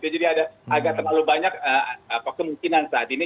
jadi ada agak terlalu banyak kemungkinan saat ini